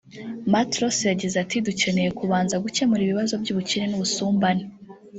Matlosa yagize ati ”Dukeneye kubanza gukemura ibibazo by’ubukene n’ubusumbane